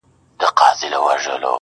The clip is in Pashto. ما سپارلی د هغه مرستي ته ځان دی!.